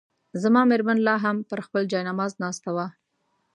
زما مېرمن لا هم پر خپل جاینماز ناست وه.